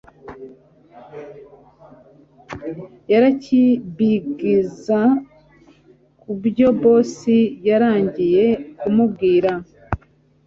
yarakibqza kubyo boss yaragiye kumubwira